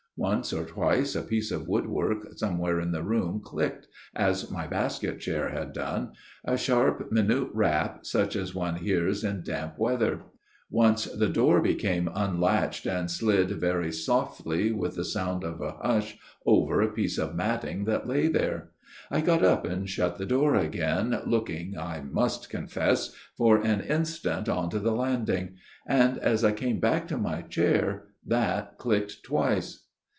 Once or twice a piece of woodwork somewhere in the room clicked, as my basket chair had done a sharp minute rap such as one hears in damp weather. Once the door became unlatched and FATHER GIRDLESTONE'S TALE 121 slid very softly with the sound of a hush over a piece of matting that lay there. I got up and shut the door again, looking, I must confess, for an instant on to the landing ; and as I came back to my chair, that clicked twice.